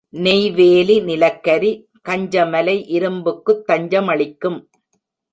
நெய்வேலி நிலக்கரி, கஞ்சமலை இரும்புக்குத் தஞ்சமளிக்கும்.